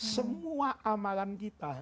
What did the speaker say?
semua amalan kita